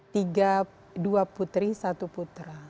tiga dua putri satu putra